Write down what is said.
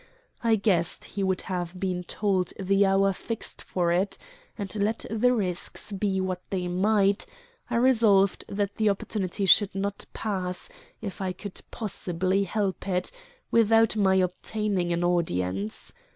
I guessed he would have been told the hour fixed for it, and, let the risks be what they might, I resolved that the opportunity should not pass, if I could possibly help it, without my obtaining an audience.